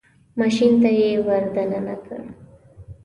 ماشین ته یې ور دننه کړ.